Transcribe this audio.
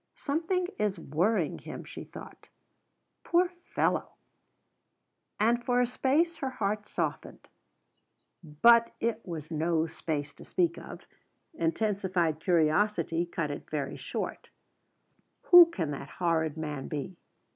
"Something is worrying him," she thought. "Poor fellow!" And for a space her heart softened. But it was no space to speak of; intensified curiosity cut it very short. "Who can the horrid man be?"